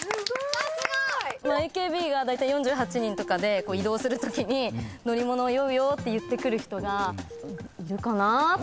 ＡＫＢがだいたい４８人とかで移動するときに乗り物酔うよって言ってくる人がいるかなって。